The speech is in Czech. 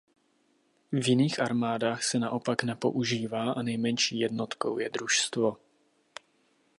V jiných armádách se naopak nepoužívá a nejmenší jednotkou je družstvo.